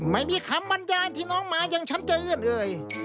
ไม่มีคำบรรยายที่น้องมาอย่างฉันจะเอื้อนเอ่ย